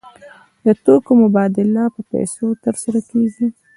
د توکو مبادله په پیسو ترسره کیږي.